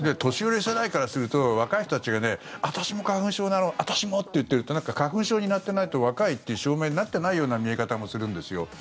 年寄り世代からすると若い人たちが私も花粉症なの私もって言ってるとなんか花粉症になっていないと若いっていう証明になっていないような見え方もするんですよ。